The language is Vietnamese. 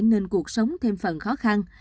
nên cuộc sống thêm phần khó khăn